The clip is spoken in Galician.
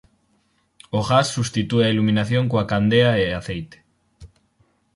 O gas substitúe a iluminación coa candea e aceite.